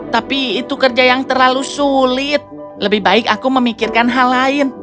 tapi itu kerja yang terlalu sulit lebih baik aku memikirkan hal lain